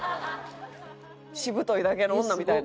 しぶといだけの女みたいな。